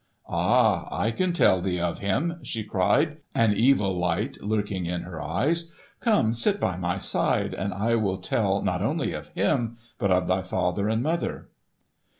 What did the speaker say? "Ah, I can tell thee of him!" she cried—an evil light lurking in her eyes. "Come, sit by my side, and I will tell not only of him but of thy father and mother."